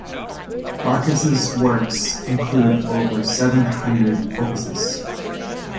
Farkas's works include over seven hundred opuses.